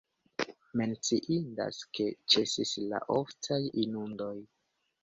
Menciindas, ke ĉesis la oftaj inundoj.